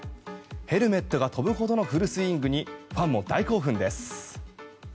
ヘルメットが飛ぶほどのフルスイングにファンも大興奮です。